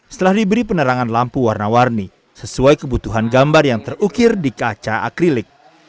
setelah diberi penerangan lampu warna warni sesuai kebutuhan gambar yang terukir di kaca akrilik